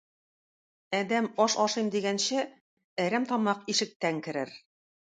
Адәм аш ашыйм дигәнче, әрәм тамак ишектән керер.